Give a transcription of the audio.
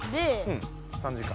うん３時間。